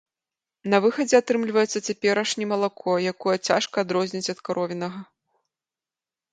На выхадзе атрымліваецца цяперашні малако, якое цяжка адрозніць ад каровінага.